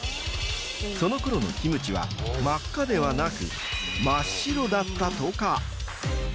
［そのころのキムチは真っ赤ではなく真っ白だったとか］